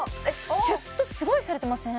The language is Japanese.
シュッとすごいされてません？